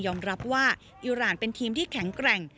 รับว่าอิราณเป็นทีมที่แข็งแกร่ง